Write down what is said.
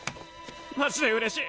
マジでうれしい。